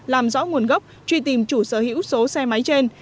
làm rõ nguồn gốc truy tìm chủ sở hữu số xe máy trên